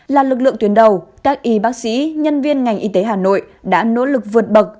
là lực lượng tuyến đầu các y bác sĩ nhân viên ngành y tế hà nội đã nỗ lực vượt bậc